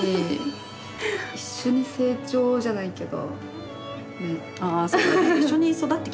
一緒に成長じゃないけど。